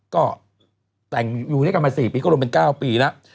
ก็แต่งอยู่ด้วยกันมา๔ปีก็รวมเป็น๙ปีแล้ว